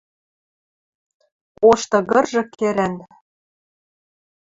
Ош тыгыржы кӹрӓн